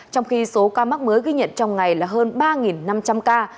trong khi số ca mắc mới ghi nhận trong ngày là hơn ba năm trăm linh ca